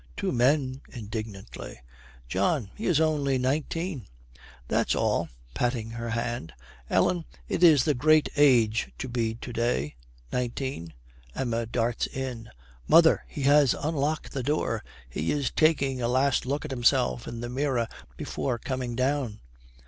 'Two men!' indignantly. 'John, he is only nineteen.' 'That's all,' patting her hand. 'Ellen, it is the great age to be to day, nineteen.' Emma darts in. 'Mother, he has unlocked the door! He is taking a last look at himself in the mirror before coming down!'